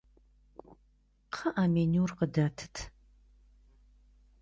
Кхъыӏэ, менюр къыдэтыт!